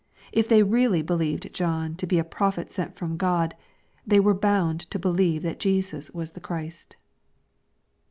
If they really believed John to be a prophet sent from God,^ they were bound to believe that Jesus was the Christ."